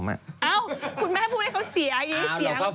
อ้าวคุณแม่พูดให้เขาเสียอันนี้เสียความมั่นใจ